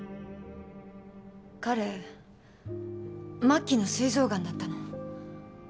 彼末期の膵臓がんだったの。